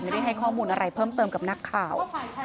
ให้ข้อมูลอะไรเพิ่มเติมกับนักข่าว